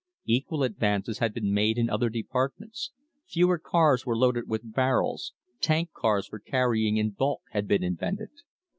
Equal advances had been made in other departments, fewer cars were loaded with barrels, tank cars for carrying in bulk had been invented.